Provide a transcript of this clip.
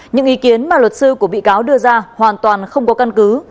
những ý kiến mà luật sư của bị cáo đưa ra hoàn toàn không có căn cứ